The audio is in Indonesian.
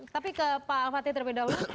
tapi ke pak al fatih terlebih dahulu